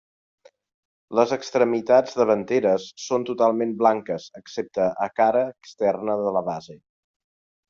Les extremitats davanteres són totalment blanques, excepte a cara externa de la base.